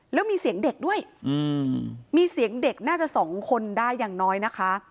แล้วมีเสียงเด็กด้วยมีเสียงเด็กน่าจะสองคนได้อย่างน้อยนะคะ